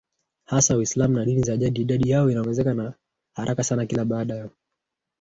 hasa Uislamu na dini za jadi Idadi yao inaongezeka haraka sana Kila baada